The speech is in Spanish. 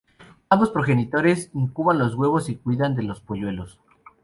Ambos progenitores incuban los huevos y cuidan de los polluelos.